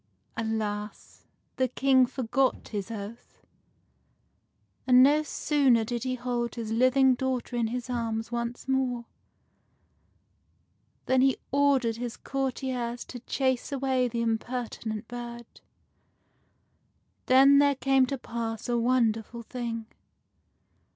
Alas ! the King forgot his oath, and no sooner did he hold his living daughter in his arms once more than he ordered his courtiers to chase away the impertinent bird. Then there came to pass a wonderful thing.